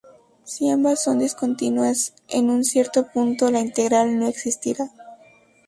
Si ambas son discontinuas en un cierto punto, la integral no existirá.